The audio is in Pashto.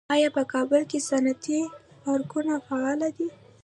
آیا په کابل کې صنعتي پارکونه فعال دي؟